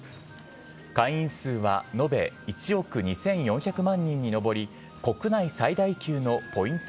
会員数は延べ１億２４００万人に上り国内最大級のポイント